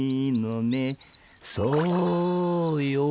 「そうよ